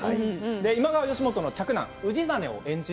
今川義元の嫡男、氏真を演じる